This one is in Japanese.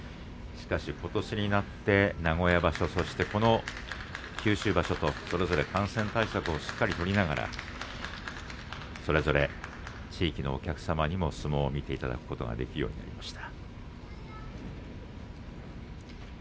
しかしことしになって名古屋場所そしてこの九州場所とそれぞれ感染対策をしっかり取りながらそれぞれ地域のお客様にも相撲を見ていただくことができるようになりました。